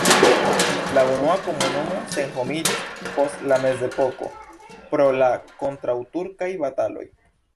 La unua komunumo senhomiĝis post la mezepoko pro la kontraŭturkaj bataloj.